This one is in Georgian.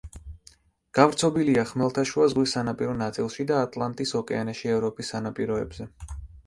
გავრცობილია ხმელთაშუა ზღვის სანაპირო ნაწილში და ატლანტის ოკეანეში ევროპის სანაპიროებზე.